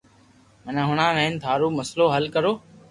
مني ھڻاو ھن ٿارو مسلو حل ڪرو